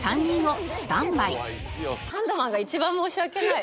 ハンドマンが一番申し訳ない。